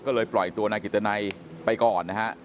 ก็เลยปล่อยตัวนายกิตนัยไปก่อนนะฮะ